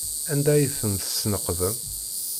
Anda ay ten-tesneqdem?